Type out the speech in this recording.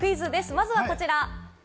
まずはこちら。